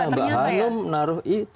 mbak hanum menaruh i nya